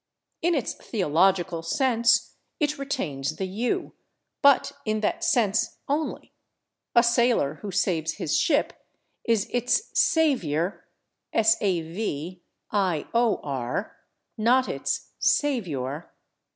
In its theological sense it retains the /u/; but in that sense only. A sailor who saves his ship is its /savior/, not its /saviour